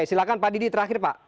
silahkan pak didi terakhir pak